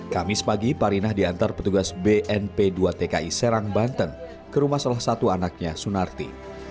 kamis pagi parinah diantar petugas bnp dua tki serang banten ke rumah salah satu anaknya sunarti